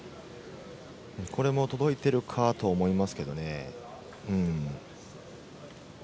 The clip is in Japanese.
これも届いてるかと思いますけどね。